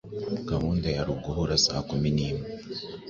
gahunda yari uguhura saa kumi n'imwe